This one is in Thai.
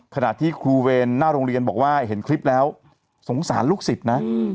ขณะที่ครูเวรหน้าโรงเรียนบอกว่าเห็นคลิปแล้วสงสารลูกศิษย์นะ